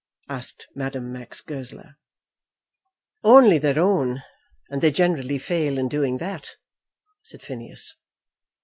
asked Madame Max Goesler. "Only their own; and they generally fail in doing that," said Phineas.